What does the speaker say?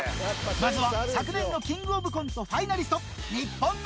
まずは昨年の『キングオブコント』ファイナリスト